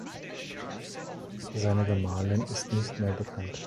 Seine Gemahlin ist nicht mehr bekannt.